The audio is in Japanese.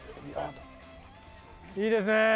いいですね。